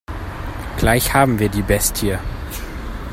Gleich haben wir die Bestie.